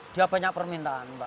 dia banyak permintaan